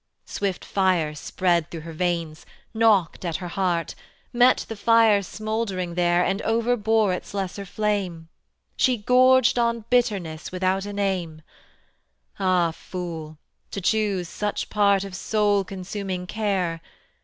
Swift fire spread through her veins, knocked at her heart, Met the fire smouldering there And overbore its lesser flame; She gorged on bitterness without a name: Ah! fool, to choose such part Of soul consuming care!